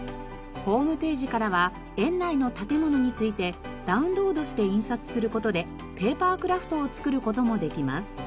ホームページからは園内の建物についてダウンロードして印刷する事でペーパークラフトを作る事もできます。